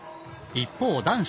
一方男子。